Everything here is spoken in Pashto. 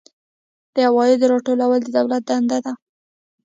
د عوایدو راټولول د دولت دنده ده